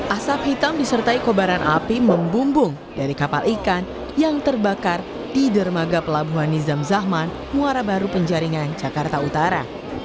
asap hitam disertai kobaran api membumbung dari kapal ikan yang terbakar di dermaga pelabuhan nizam zahman muara baru penjaringan jakarta utara